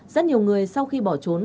rất nhiều người sau khi bỏ trốn